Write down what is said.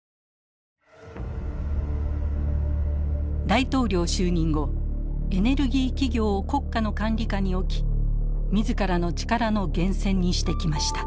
大統領就任後エネルギー企業を国家の管理下に置き自らの力の源泉にしてきました。